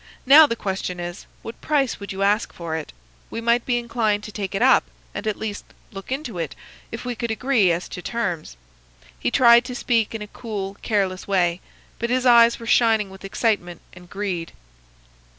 Now, the question is, what price would you ask for it? We might be inclined to take it up, and at least look into it, if we could agree as to terms.' He tried to speak in a cool, careless way, but his eyes were shining with excitement and greed.